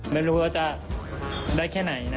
ไม่รู้ว่าจะได้แค่ไหนนะ